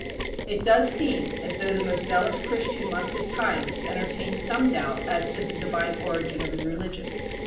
It does seem as though the most zealous Christian must at times entertain some doubt as to the divine origin of his religion.